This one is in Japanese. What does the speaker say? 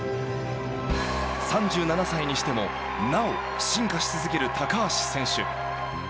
３７歳にしてもなお進化し続ける高橋選手。